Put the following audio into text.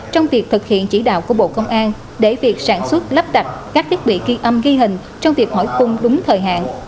trong việc thực hiện chỉ đạo của bộ công an để việc sản xuất lắp đặt các thiết bị ghi âm ghi hình trong việc hỏi cung đúng thời hạn